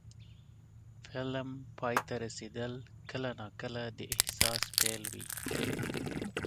د فلم پای ته رسېدل کله ناکله د احساس پیل وي.